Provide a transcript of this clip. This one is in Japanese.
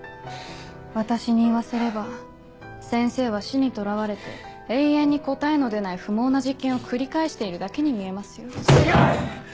私に言わせれば先生は死にとらわれて永遠に答えの出ない不毛な実験を繰り返しているだけに見えますよ。